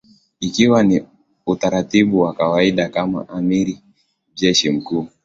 Ikiwa ni utaratibu wa kawaida kama amiri jeshi mkuu